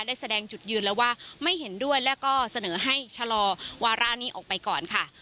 แสดงจุดยืนแล้วว่าไม่เห็นด้วยแล้วก็เสนอให้ชะลอวาระนี้ออกไปก่อนค่ะ